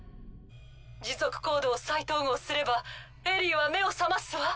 持続コードを再統合すればエリィは目を覚ますわ。